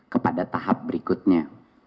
kepada tahap berikutnya